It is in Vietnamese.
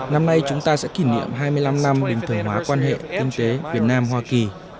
năm nay chúng ta sẽ kỷ niệm hai mươi năm năm bình thường hóa quan hệ kinh tế việt nam hoa kỳ